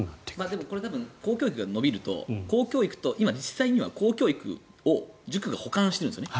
でもこれは公教育が伸びると今、実際には公教育を塾が補完しているんですね。